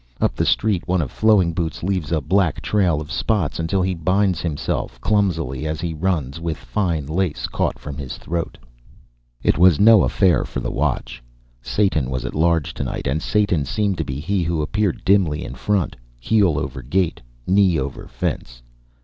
Up the street one of Flowing Boots leaves a black trail of spots until he binds himself, clumsily as he runs, with fine lace caught from his throat. It was no affair for the watch: Satan was at large tonight and Satan seemed to be he who appeared dimly in front, heel over gate, knee over fence.